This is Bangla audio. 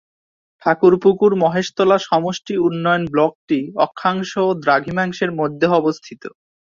ঠাকুরপুকুর মহেশতলা সমষ্টি উন্নয়ন ব্লকটি অক্ষাংশ ও দ্রাঘিমাংশের মধ্যে অবস্থিত।